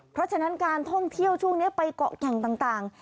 เพราะฉะนั้นการท่องเที่ยวช่วงนี้ไปเกาะแก่งต่าง